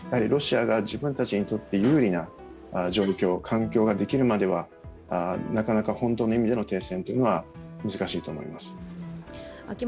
ロシアが自分たちにとって有利な状況、環境ができるまではなかなか本当の意味での停戦というのは難しいと思います。